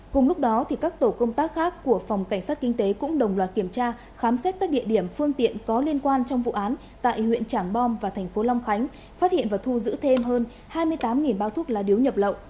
cùng lúc đó các tổ công tác khác của phòng cảnh sát kinh tế cũng đồng loạt kiểm tra khám xét các địa điểm phương tiện có liên quan trong vụ án tại huyện trảng bom và thành phố long khánh phát hiện và thu giữ thêm hơn hai mươi tám bao thuốc lá điếu nhập lậu